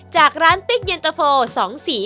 จากร้านติ๊กเย็นตะโฟ๒สี